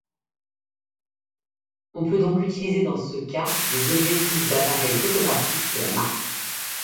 On donc peut utiliser dans ce cas des objectifs d'appareils photographiques de la marque.